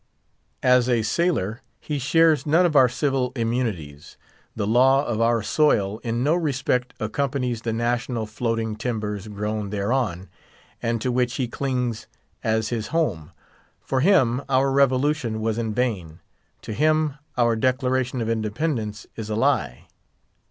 As a sailor, he shares none of our civil immunities; the law of our soil in no respect accompanies the national floating timbers grown thereon, and to which he clings as his home. For him our Revolution was in vain; to him our Declaration of Independence is a lie.